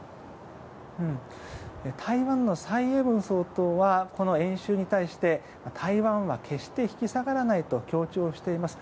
台湾の蔡英文総統はこの演習に対して台湾は決して引き下がらないと強調しています。